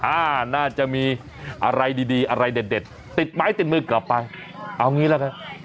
น่าจะมีอะไรดีอะไรเด็ดติดไม้ติดมือกลับไปเอางี้แล้วกัน